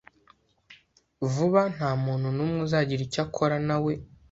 Vuba ntamuntu numwe uzagira icyo akora nawe